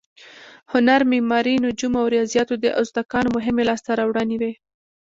هنر، معماري، نجوم او ریاضیاتو د ازتکانو مهمې لاسته راوړنې وې.